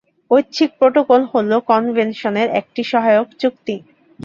ঐচ্ছিক প্রোটোকল হল কনভেনশনের একটি সহায়ক চুক্তি।